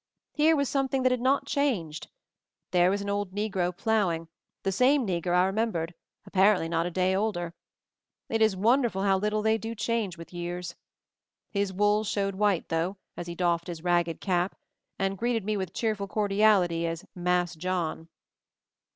Here was something that had not changed. There was an old negro plowing, the same negro I remembered, apparently not a day older. It is wonderful ( how little they do change with years. His wool showed white though, as he doffed his ragged cap and greeted me with cheerful cordiality as Mass' John.